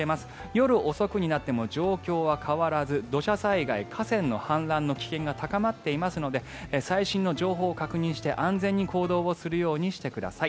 夜遅くになっても状況は変わらず土砂災害、河川の氾濫の危険が高まっていますので最新の情報を確認して安全に行動するようにしてください。